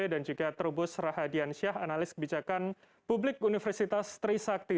dan juga terubus rahadian syah analis kebijakan publik universitas trisakti